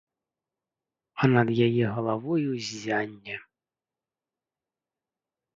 А над яе галавою ззянне.